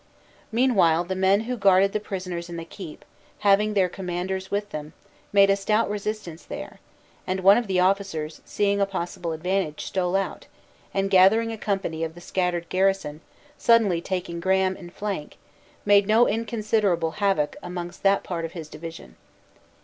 Meanwhile, the men who guarded the prisoners in the keep, having their commanders with them, made a stout resistance there; and one of the officers, seeing a possible advantage, stole out, and, gathering a company of the scattered garrison, suddenly taking Graham in flank, made no inconsiderable havoc amongst that part of his division.